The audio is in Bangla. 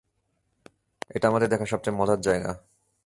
এটা আমাদের দেখা সবচেয়ে মজার জায়গা।